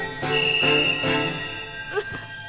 うっ。